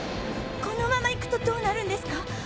このまま行くとどうなるんですか？